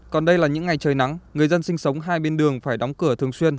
còn đây là những ngày trời nắng người dân sinh sống hai bên đường phải đóng cửa thường xuyên